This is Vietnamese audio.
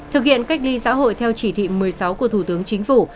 thực hiện cách ly xã hội theo chỉ thị một mươi sáu của thủ tướng chính phủ